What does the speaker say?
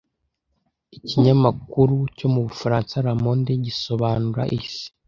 Ikinyamakuru cyo mu Bufaransa La Monde gisobanura Isi